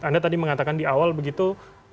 anda tadi mengatakan di awal begitu